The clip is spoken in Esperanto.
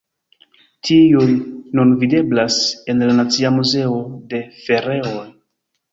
Tiuj nun videblas en la Nacia Muzeo de Ferooj.